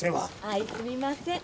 あいすみません。